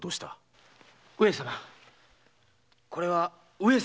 上様。